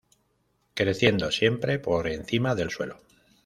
Creciendo, siempre por encima del suelo.